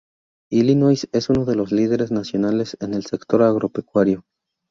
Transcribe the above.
Illinois es uno de los líderes nacionales en el sector agropecuario.